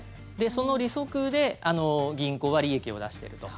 その利息で銀行は利益を出してると。